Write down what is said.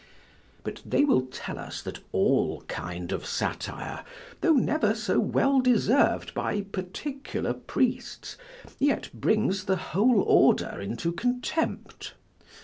But they will tell us that all kind of satire, tho' never so well deserv'd by particular priests, yet brings the whole order into contempt.